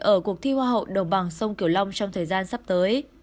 ở cuộc thi hoa hậu đồng bằng sông kiểu long trong thời gian sắp tới